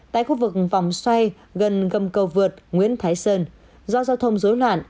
tại khu vực vòng xoay gần gầm cầu vượt nguyễn thái sơn do giao thông dối loạn